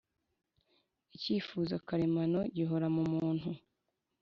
icyifuzo karemano gihora mu muntu